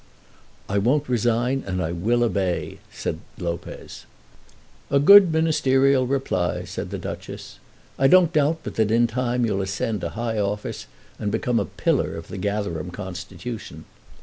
"I won't resign, and I will obey," said Lopez. "A good ministerial reply," said the Duchess. "I don't doubt but that in time you'll ascend to high office and become a pillar of the Gatherum constitution.